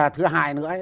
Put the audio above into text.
thứ hai nữa